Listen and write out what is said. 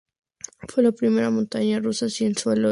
Fue la primera montaña rusa sin suelo de Europa.